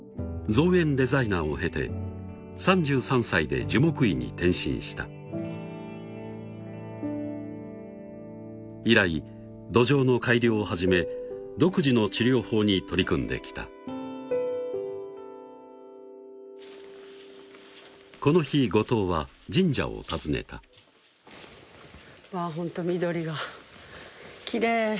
造園デザイナーを経て３３歳で樹木医に転身した以来土壌の改良をはじめ独自の治療法に取り組んできたこの日後藤は神社を訪ねたわぁホント緑がきれい